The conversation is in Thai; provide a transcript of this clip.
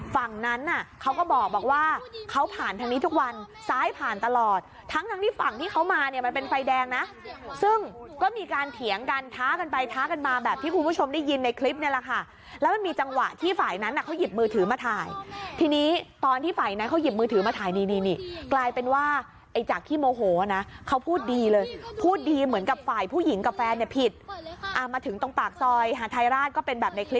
ฝั่งนั้นอ่ะเขาก็บอกว่าเขาผ่านทางนี้ทุกวันซ้ายผ่านตลอดทั้งทั้งที่ฝั่งที่เขามาเนี่ยมันเป็นไฟแดงนะซึ่งก็มีการเถียงกันท้ากันไปท้ากันมาแบบที่คุณผู้ชมได้ยินในคลิปนี้ล่ะค่ะแล้วมันมีจังหวะที่ฝ่ายนั้นอ่ะเขาหยิบมือถือมาถ่ายทีนี้ตอนที่ฝ่ายนั้นเขาหยิบมือถือมาถ่ายนี่นี่นี่กลายเป